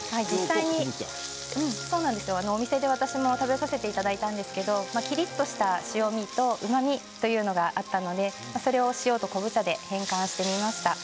実際にお店で私も食べさせてもらったんですけどきりっとした塩みとうまみを感じましたのでそれを塩と昆布茶で変換してみました。